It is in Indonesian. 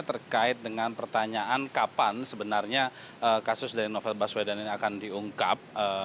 terkait dengan pertanyaan kapan sebenarnya kasus dari novel baswedan ini akan diungkap